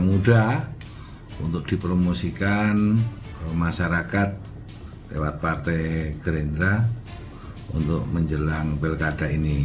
mudah untuk dipromosikan masyarakat lewat partai gerindra untuk menjelang pilkada ini